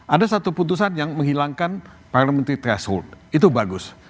ada satu putusan yang menghilangkan parliamentary threshold itu bagus